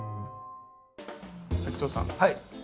滝藤さん